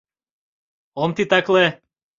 Ом титакле...